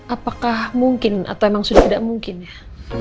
apakah mungkin atau memang sudah tidak mungkin ya